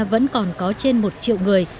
vẫn còn có trên một triệu người